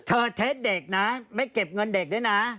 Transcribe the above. เทสเด็กนะไม่เก็บเงินเด็กด้วยนะ